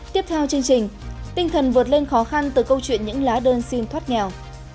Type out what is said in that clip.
tiếp theo chương trình tinh thần vượt lên khó khăn từ câu chuyện những lá đơn xin thoát nghèo